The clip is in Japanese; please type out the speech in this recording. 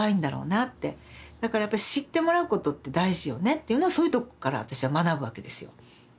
だからやっぱ知ってもらうことって大事よねっていうのをそういうとこから私は学ぶわけですよ。